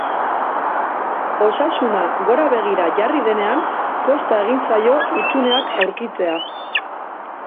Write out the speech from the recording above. Osasuna gora begirra jarri denean, kosta egin zaio hutsuneak aurkitzea.